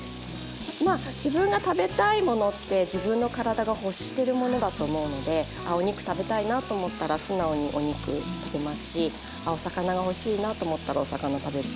まあ自分が食べたいものって自分の体が欲してるものだと思うのであお肉食べたいなと思ったら素直にお肉食べますしお魚が欲しいなと思ったらお魚食べるし。